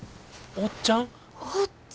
おっちゃん！